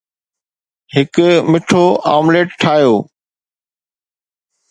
هڪ مٺو آمليٽ ٺاهيو